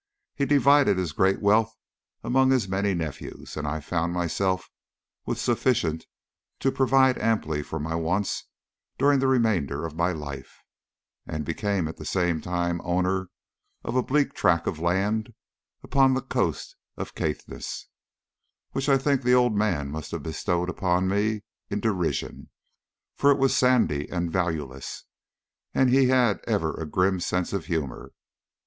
He divided his great wealth among his many nephews, and I found myself with sufficient to provide amply for my wants during the remainder of my life, and became at the same time owner of a bleak tract of land upon the coast of Caithness, which I think the old man must have bestowed upon me in derision, for it was sandy and valueless, and he had ever a grim sense of humour.